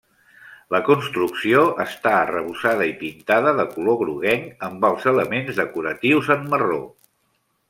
La construcció està arrebossada i pintada de color groguenc, amb els elements decoratius en marró.